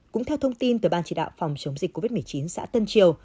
cũng theo thông tin từ ban chỉ đạo phòng chống dịch covid một mươi chín xã tân triều